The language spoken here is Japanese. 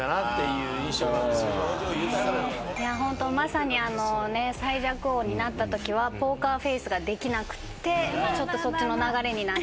まさに最弱王になったときはポーカーフェースができなくてちょっとそっちの流れになっちゃったんで。